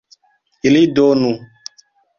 ili donu.